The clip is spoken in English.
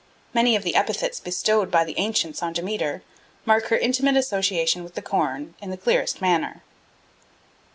Many of the epithets bestowed by the ancients on Demeter mark her intimate association with the corn in the clearest manner.